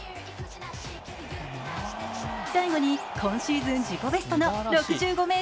最後に今シーズン自己ベストの６５ｍ１０。